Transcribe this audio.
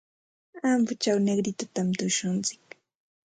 Ambochaw Negritotami tushuntsik.